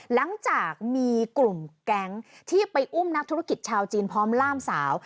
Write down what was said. หลังจากมีกลุ่มแก๊งที่ไปอุ้มนักธุรกิจชาวจีนพร้อมล่ามสาว